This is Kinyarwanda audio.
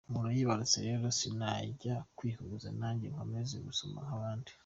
Umuntu yibarutse rero sinajya kwihuruza, nanjye nkomeza gusoma nk’abandi.